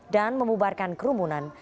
dan memubarkan kerumunan